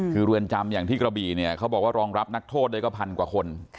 คือเรือนจำอย่างที่กระบี่เนี่ยเขาบอกว่ารองรับนักโทษได้ก็พันกว่าคน